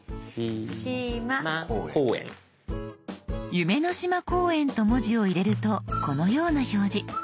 「夢の島公園」と文字を入れるとこのような表示。